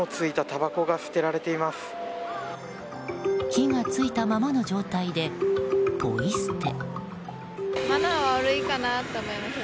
火が付いたままの状態でポイ捨て。